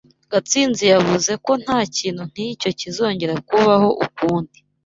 Gatsinzi yavuze ko ntakintu nkicyo kizongera kubaho ukundi.